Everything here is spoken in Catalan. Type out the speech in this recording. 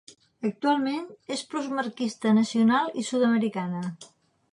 Actualment és plusmarquista nacional i sud-americana.